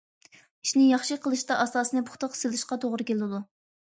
ئىشنى ياخشى قىلىشتا ئاساسنى پۇختا سېلىشقا توغرا كېلىدۇ.